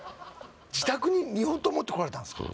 自宅に日本刀持ってこられたんですか？